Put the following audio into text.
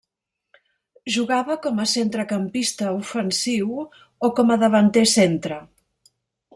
Jugava com a centrecampista ofensiu o com a davanter centre.